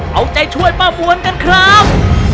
เอาใจช่วยป้าบวนกันครับ